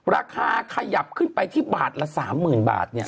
ราคาขยับขึ้นไปที่บาทละ๓๐๐๐บาทเนี่ย